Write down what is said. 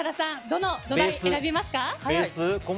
どの土台を選びますか？